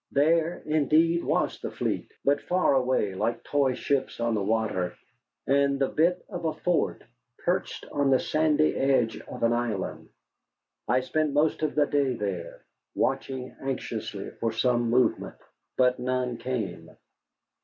There, indeed, was the fleet, but far away, like toy ships on the water, and the bit of a fort perched on the sandy edge of an island. I spent most of that day there, watching anxiously for some movement. But none came.